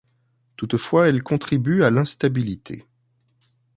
Toutefois, elle contribue à l’instabilité.